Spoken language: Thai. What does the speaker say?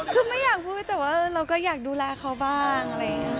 คือไม่อยากพูดแต่ว่าเราก็อยากดูแลเขาบ้าง